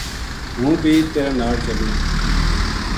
ہوں بی تیرے ناڑ چلوں‘‘